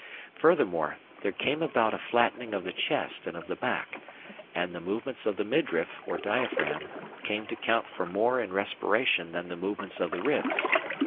Furthermore, there came about a flattening of the chest and of the back, and the movements of the midriff (or diaphragm) came to count for more in respiration than the movements of the ribs.